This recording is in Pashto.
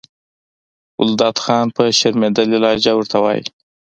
ګلداد خان په شرمېدلې لهجه ورته وایي.